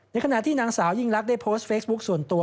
ขณะที่นางสาวยิ่งลักษณ์ได้โพสต์เฟซบุ๊คส่วนตัว